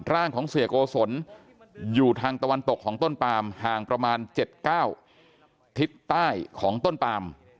ร่างของเสียโกศลอยู่ทางตะวันตกของต้นปามห่างประมาณ๗๙ทิศใต้ของต้นปาม